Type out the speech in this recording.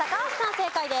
正解です。